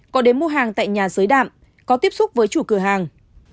có đến mua hàng tại nhà giới đạm có tiếp xúc với chủ cửa hàng